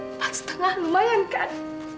empat setengah lumayan kan